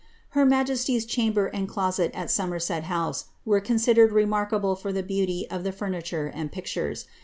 Her majesty's chamber and closet at Somerset House were considered ■arkable for the beauty of the furniture and pictures.